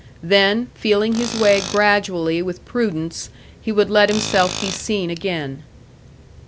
Then, feeling his way gradually with prudence, he would let himself be seen again.